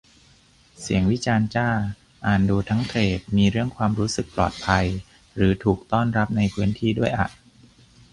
เสียงวิจารณ์จ้า อ่านดูทั้งเธรด มีเรื่องความรู้สึกปลอดภัยหรือถูกต้อนรับในพื้นที่ด้วยอะ